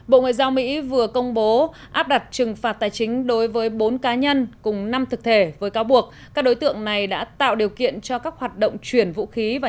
bộ ngoại giao mỹ vừa công bố áp đặt trừng phạt tài chính đối với bốn cá nhân cùng năm thực thể với cáo buộc các đối tượng này đã tạo điều kiện cho các hoạt động chuyển vũ khí và